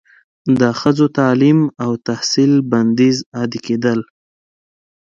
د ښځو تعلیم او تحصیل بندیز عادي کیدل